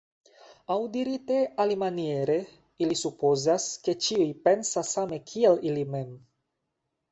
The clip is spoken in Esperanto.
Aŭ dirite alimaniere, ili supozas, ke ĉiuj pensas same kiel ili mem.